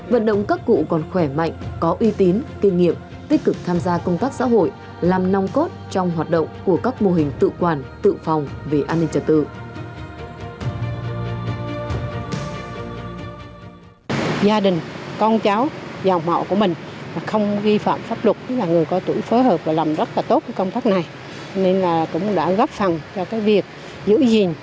vận động các cụ còn khỏe mạnh có uy tín kinh nghiệm tích cực tham gia công tác xã hội làm nong cốt trong hoạt động của các mô hình tự quản tự phòng về an ninh trật tự